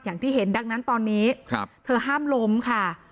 อย่างที่เห็นดังนั้นตอนนี้เธอห้ามล้มค่ะ